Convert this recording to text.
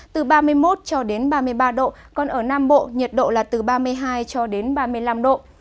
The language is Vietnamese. từ ba mươi một cho đến ba mươi ba độ còn ở nam bộ nhiệt độ là từ ba mươi hai cho đến ba mươi năm độ